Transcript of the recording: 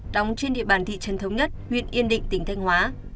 đóng trên địa bàn thị trấn thống nhất huyện yên định tỉnh thanh hóa